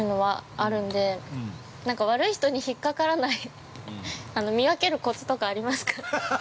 あるんで、悪い人にひっかからない、見分けるコツとかありますか。